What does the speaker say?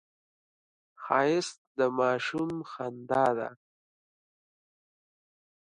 ښایست د ماشوم خندا ده